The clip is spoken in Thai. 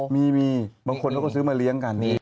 มีบางคนเขาก็ซื้อมาเลี้ยงกัน